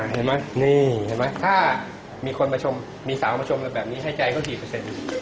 เห็นไหมถ้ามีคนมาชมมีสาวมาชมแบบนี้ให้ใจก็กี่เปอร์เซ็นต์